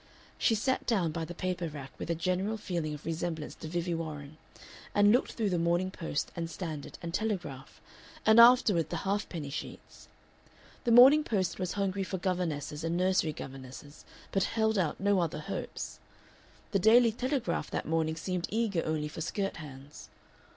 She sat down by the paper rack with a general feeling of resemblance to Vivie Warren, and looked through the Morning Post and Standard and Telegraph, and afterward the half penny sheets. The Morning Post was hungry for governesses and nursery governesses, but held out no other hopes; the Daily Telegraph that morning seemed eager only for skirt hands.